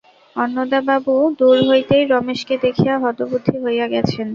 অন্নদাবাবু দূর হইতেই রমেশকে দেখিয়া হতবুদ্ধি হইয়া গেছেন।